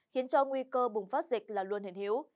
khiến cho nguy cơ bùng phát dịch là luôn hiển hiếu